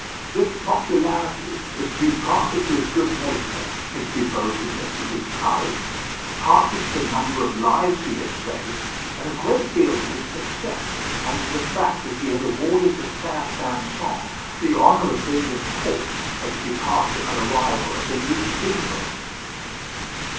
This popularity was due partly to his good nature, his devotedness, and his courage; partly to the number of lives he had saved; and a great deal to his success, and to the fact that he had awarded to St. Sampson the honour of being the port of the departure and arrival of the new steamboat.